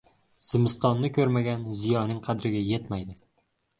• Zimistonni ko‘rmagan ziyoning qadriga yetmaydi.